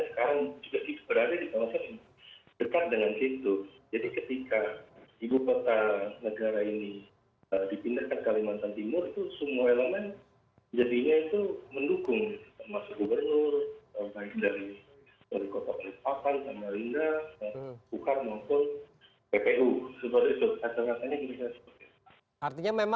nah kalau kita lihat sebenarnya ini hubungannya nanti juga akan lebih terdampak pada di kota besar yang sudah menjadi inti perekonomian kalimantan timur yaitu tamarinda